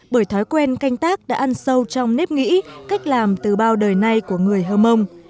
bởi thói quen canh tác đã ăn sâu trong nếp nghĩ cách làm từ bao đời nay của người hơ mông